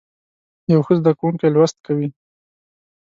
یو ښه زده کوونکی لوست کوي.